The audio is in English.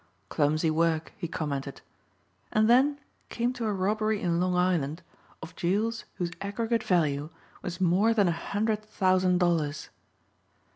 Clumsy work, he commented, and then came to a robbery in Long Island of jewels whose aggregate value was more than a hundred thousand dollars.